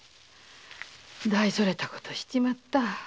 大それた事しちまった。